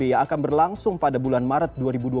yang akan berlangsung pada bulan maret